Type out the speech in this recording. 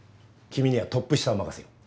君にはトップ下を任せる。